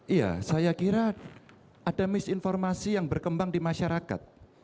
iya saya kira ada misinformasi yang berkembang di masyarakat